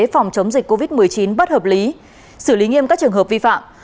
phòng chống dịch covid một mươi chín bất hợp lý xử lý nghiêm các trường hợp vi phạm